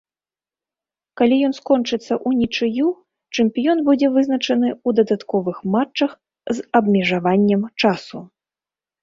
Калі ён скончыцца ўнічыю, чэмпіён будзе вызначаны ў дадатковых матчах з абмежаваннем часу.